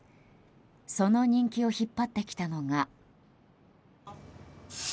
その人気を引っ張ってきたのが。